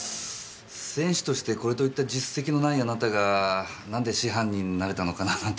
選手としてこれといった実績のないあなたが何で師範になれたのかななんて。